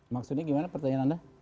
maksudnya gimana pertanyaan anda